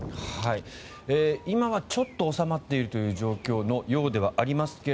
今はちょっと収まっている状況のようではありますが。